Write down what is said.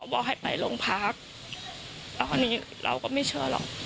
บอกให้ไปโรงพักแล้วคราวนี้เราก็ไม่เชื่อหรอก